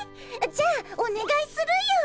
じゃあおねがいするよ。